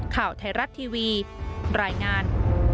ข่าวไทยรัฐทีวีรายงาน